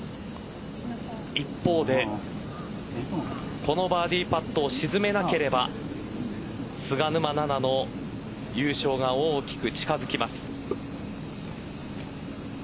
一方でこのバーディーパットを沈めなければ菅沼菜々の優勝が大きく近づきます。